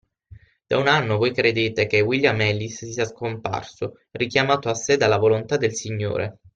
Da un anno voi credete che William Ellis sia scomparso, richiamato a sé dalla volontà del Signore.